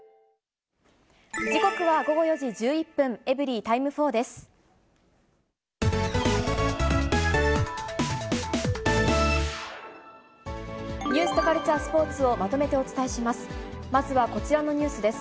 時刻は午後４時１１分、エブリィタイム４です。